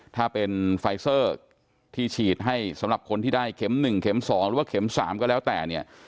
ถ้าเป็นไฟเซอร์ที่ฉีดให้สำหรับคนที่ได้เข็ม๑เข็ม๒หรือว่าเข็ม๓ก็แล้วแต่เนี่ย